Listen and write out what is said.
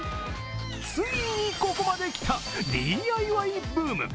ついに、ここまで来たＤＩＹブーム。